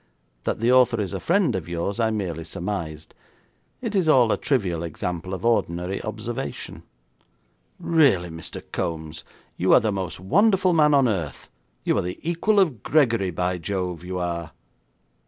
That the author is a friend of yours, I merely surmised. It is all a trivial example of ordinary observation.' 'Really, Mr. Kombs, you are the most wonderful man on earth. You are the equal of Gregory, by Jove, you are.'